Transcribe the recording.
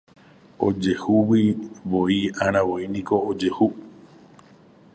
Ojehugui'arãmavoíniko ojehu